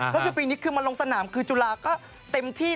ก็คือปีนี้คือมาลงสนามคือจุฬาก็เต็มที่